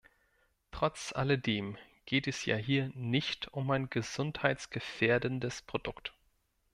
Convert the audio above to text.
Trotz alledem geht es ja hier nicht um ein gesundheitsgefährdendes Produkt.